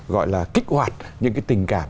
gọi là kích hoạt những cái tình cảm